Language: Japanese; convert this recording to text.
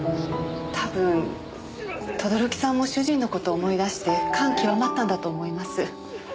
多分轟さんも主人の事を思い出して感極まったんだと思います。